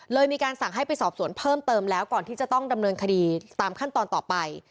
มีการสั่งให้ไปสอบสวนเพิ่มเติมแล้วก่อนที่จะต้องดำเนินคดีตามขั้นตอนต่อไป